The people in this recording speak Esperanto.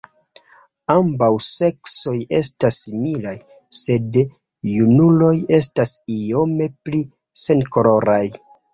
Ambaŭ seksoj estas similaj, sed junuloj estas iome pli senkoloraj.